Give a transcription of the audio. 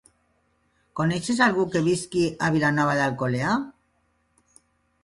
Coneixes algú que visqui a Vilanova d'Alcolea?